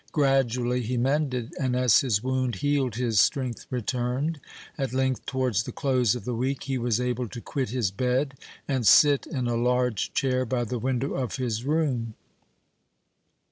Gradually he mended, and as his wound healed his strength returned. At length, towards the close of the week, he was able to quit his bed and sit in a large chair by the window of his room.